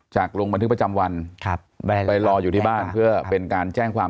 ลงบันทึกประจำวันไปรออยู่ที่บ้านเพื่อเป็นการแจ้งความ